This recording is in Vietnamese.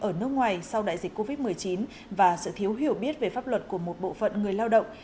ở nước ngoài sau đại dịch covid một mươi chín và sự thiếu hiểu biết về pháp luật của một bộ phận người lao động